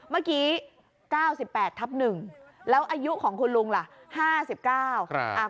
เมื่อกี้เก้าสิบแปดทับหนึ่งแล้วอายุของคุณลุงล่ะ๕๙